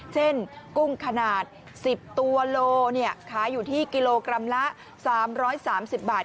กุ้งขนาด๑๐ตัวโลขายอยู่ที่กิโลกรัมละ๓๓๐บาท